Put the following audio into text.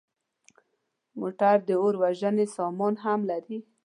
موټر د اور وژنې سامان هم لري.